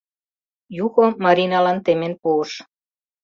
Юхо Мариналан темен пуыш.